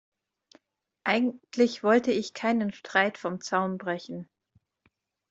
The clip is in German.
Eigentlich wollte ich keinen Streit vom Zaun brechen.